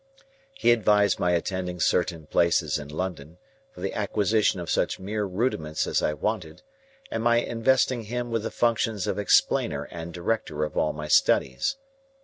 He advised my attending certain places in London, for the acquisition of such mere rudiments as I wanted, and my investing him with the functions of explainer and director of all my studies.